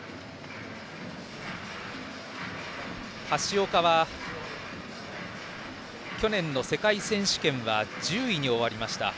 橋岡は、去年の世界選手権は１０位に終わりました。